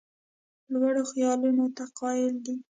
لوړو خیالونو ته قایل دی.